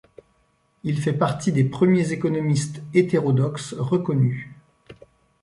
Il fait partie des premiers économistes hétérodoxes reconnus.